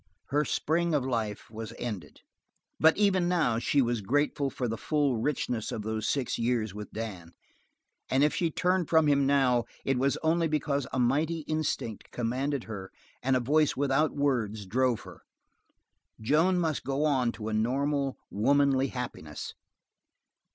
Her spring of life was ended, but even now she was grateful for the full richness of those six years with Dan; and if she turned from him now it was only because a mighty instinct commanded her and a voice without words drove her Joan must go on to a normal, womanly happiness.